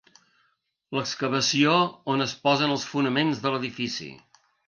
L'excavació on es posen els fonaments de l'edifici.